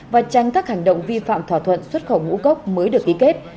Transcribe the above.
và tránh các hành động vi phạm thỏa thuận xuất khẩu ngũ cốc mới được ký kết